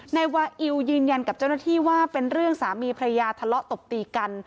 นายวาอิวยืนยันกับเจ้าหน้าที่ว่าเป็นเรื่องสามีพระยาทะเลาะตบตีกัน